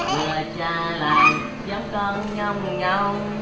mời cha làm cho con nhong nhong